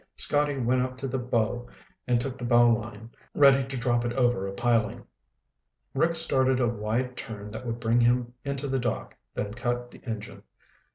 Scotty went up to the bow and took the bow line, ready to drop it over a piling. Rick started a wide turn that would bring him into the dock, then cut the engine.